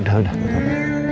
sudah sudah sudah